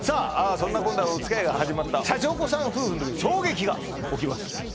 そんなこんなでおつきあいが始まったシャチホコさん夫婦に衝撃が起きます